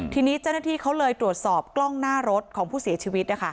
ทีนี้เจ้าหน้าที่เขาเลยตรวจสอบกล้องหน้ารถของผู้เสียชีวิต